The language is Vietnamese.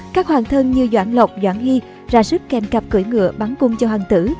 các hoàng thân như doãn lộc doãn hy ra sức kèm cặp cửa ngựa bắn cung cho hoàng tử